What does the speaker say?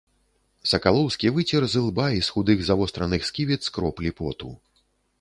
Сакалоўскі выцер з ілба і з худых завостраных сківіц кроплі поту.